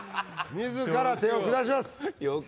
自ら手をくだします